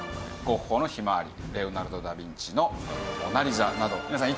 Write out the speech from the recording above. ゴッホの『ひまわり』レオナルド・ダ・ヴィンチの『モナ・リザ』など皆さん